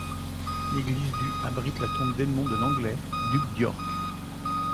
L’église du abrite la tombe d’Edmond de Langley, duc d’York.